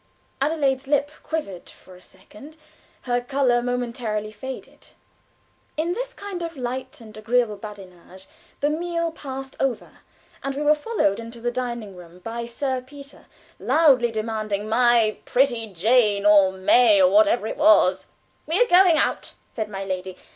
Adelaide's lip quivered for a second; her color momentarily faded. In this kind of light and agreeable badinage the meal passed over, and we were followed into the drawing room by Sir Peter, loudly demanding "'My Pretty Jane' or May, or whatever it was." "We are going out," said my lady.